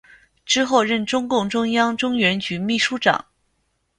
之后任中共中央中原局秘书长。